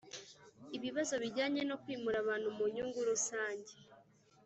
ibibazo bijyanye no kwimura abantu mu nyungu rusange